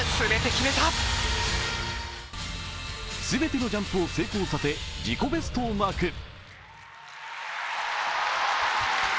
全てのジャンプを成功させ自己ベストをマーク。